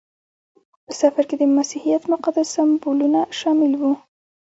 په سفر کې د مسیحیت مقدس سمبولونه شامل وو.